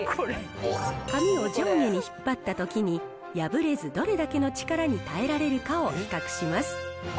紙を上下に引っ張ったときに、破れずどれだけの力に耐えられるかを比較します。